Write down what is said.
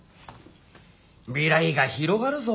未来が広がるぞ。